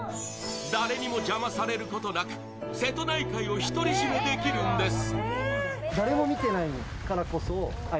誰にも邪魔されることなく瀬戸内海を独り占めできるんです。